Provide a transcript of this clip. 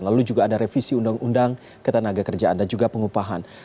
lalu juga ada revisi undang undang ketenaga kerjaan dan juga pengupahan